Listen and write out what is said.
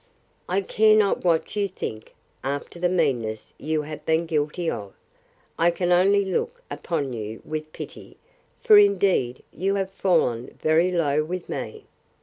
I care not what you think!—After the meanness you have been guilty of, I can only look upon you with pity: For, indeed, you have fallen very low with me.